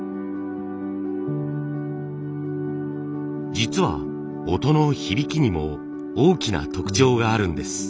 実は音の響きにも大きな特徴があるんです。